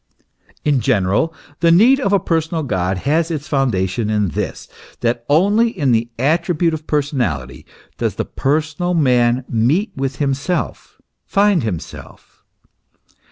In general, the need of a personal God has its foundation in this, that only in the attribute of personality does the personal man meet with himself, find himself.